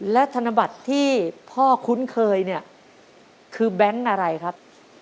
และธนบัตรที่พ่อคุ้นเคยเนี่ยคือแบงค์อะไรครับ